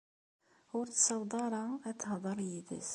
Ur tessaweḍ ara ad tehder yid-s.